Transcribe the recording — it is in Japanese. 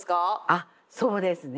あっそうですね。